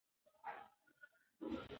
د سبک په څېړنه کې د فعلونو کارول مهم دي.